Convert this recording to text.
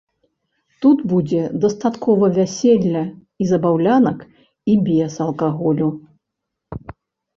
Тут будзе дастаткова вяселля і забаўлянак і без алкаголю.